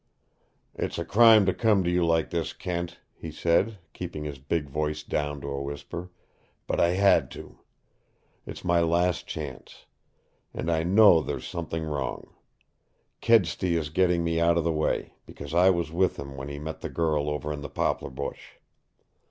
"It's a crime to come to you like this, Kent," he said, keeping his big voice down to a whisper. "But I had to. It's my last chance. And I know there's something wrong. Kedsty is getting me out of the way because I was with him when he met the girl over in the poplar bush.